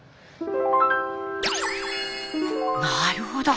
なるほど。